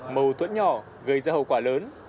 mầu tuấn nhỏ gây ra hậu quả lớn